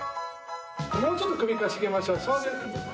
もうちょっと首かしげましょう。